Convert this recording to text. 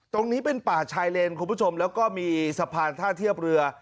ตรงนี้เป็นป่าชายเลนคุณผู้ชมแล้วก็มีสะพานท่าเทียบเรือ